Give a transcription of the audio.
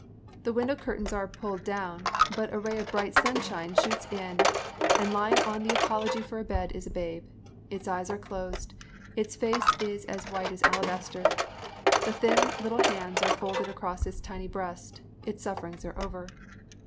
The window curtains are pulled down, but a ray of bright sunlight shoots in and lying on the apology for a bed is a babe. Its eyes are closed. Its face is as white as alabaster. The little thin hands are folded across its tiny breast. Its sufferings are over.